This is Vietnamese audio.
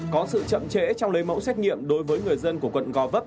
có sự chậm trễ trong lấy mẫu xét nghiệm đối với người dân của quận gò vấp